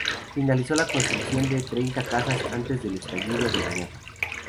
Finalizó la construcción de treinta casas antes del estallido de la guerra.